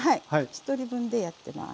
１人分でやってます。